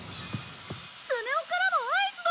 スネ夫からの合図だ！